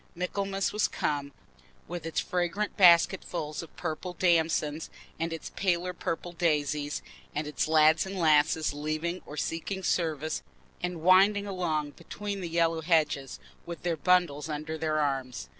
Michaelmas was come, with its fragrant basketfuls of purple damsons, and its paler purple daisies, and its lads and lasses leaving or seeking service and winding along between the yellow hedges, with their bundles under their arms.